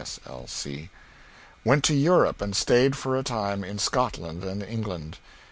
S. L. C.] went to Europe and stayed for a time in Scotland and England.